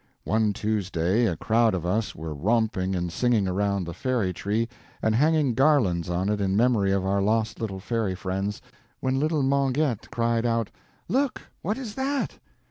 One Tuesday a crowd of us were romping and singing around the Fairy Tree, and hanging garlands on it in memory of our lost little fairy friends, when Little Mengette cried out: "Look! What is that?"